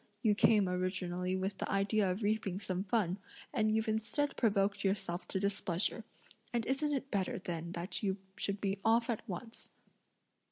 You came originally with the idea of reaping some fun, and you've instead provoked yourself to displeasure, and isn't it better then that you should be off at once."